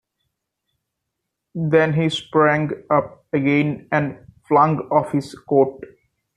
Then he sprang up again and flung off his coat.